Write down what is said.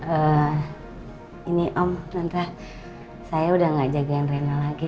eh ini om tante saya udah gak jagain renal lagi